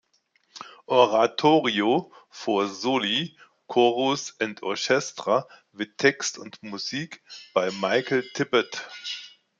Oratorio for Soli, Chorus and Orchestra with Text and Music by Michael Tippett.